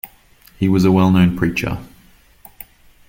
He was a well-known preacher.